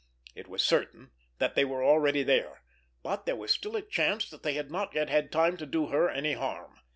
It was certain that they were already there, but there was still a chance that they had not yet had time to do her any harm.